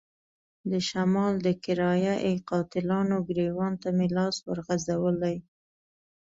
د شمال د کرايه ای قاتلانو ګرېوان ته مې لاس ورغځولی.